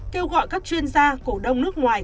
kêu gọi các chuyên gia cổ đông nước ngoài